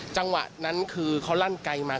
จังหวะนั้นคือเขาลั่นไกลมา